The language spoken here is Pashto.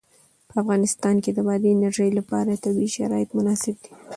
په افغانستان کې د بادي انرژي لپاره طبیعي شرایط مناسب دي.